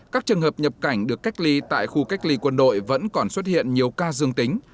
các trường hợp nhập cảnh được cách ly tại khu cách ly quân đội vẫn còn xuất hiện nhiều ca dương tính